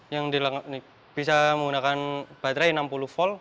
yang bisa menggunakan baterai enam puluh volt